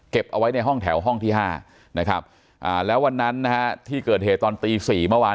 เอาไว้ในห้องแถวห้องที่๕นะครับแล้ววันนั้นนะฮะที่เกิดเหตุตอนตี๔เมื่อวาน